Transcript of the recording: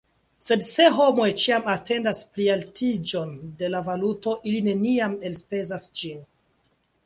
Sed se homoj ĉiam atendas plialtiĝon de la valuto, ili neniam elspezas ĝin.